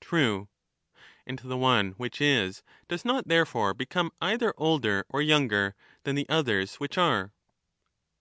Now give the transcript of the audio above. True. And the one which is does not therefore become either older or younger than the others which are.